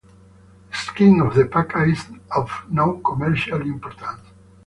The skin of the paca is of no commercial importance.